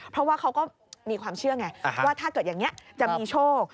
เพราะว่าเขาก็มีความเชื่อไงว่าถ้าเกิดอย่างนี้จะมีโชค